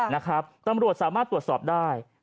นะครับตำรวจสามารถตรวจสอบได้